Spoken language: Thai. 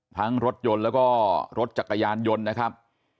รถยนต์แล้วก็รถจักรยานยนต์นะครับ